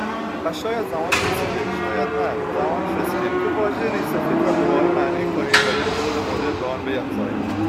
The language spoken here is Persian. و شاید زمانش رسیده -- شاید نه، زمانش رسیده -- که واژه «ریشسفید» را دوباره معنی کنیم و یک بُعد مدرن به آن بیفزاییم